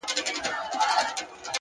صبر د بریا خاموش ملګری دی،